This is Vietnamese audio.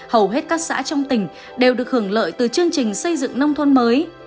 hầu hết các xã trong tỉnh đều được hưởng lợi từ chương trình xây dựng nông thôn mới